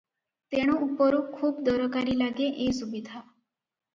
ତେଣୁ ଉପରୁ ଖୁବ ଦରକାରୀ ଲାଗେ ଏ ସୁବିଧା ।